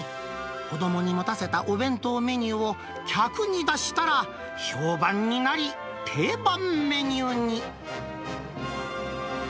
子どもに持たせたお弁当メニューを客に出したら、評判になり、定番メニューに。